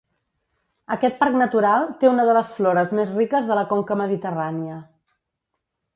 Aquest Parc Natural té una de les flores més riques de la conca mediterrània.